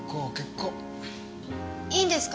いいんですか？